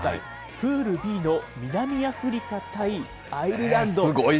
プールＢの南アフリカ対アイルランド。